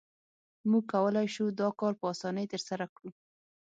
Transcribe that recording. موږ کولای شو دا کار په اسانۍ ترسره کړو